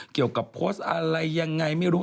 เกี่ยวกับโพสต์อะไรยังไงไม่รู้